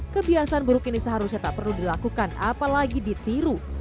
kebiasaan buruk ini seharusnya tak perlu dilakukan apalagi ditiru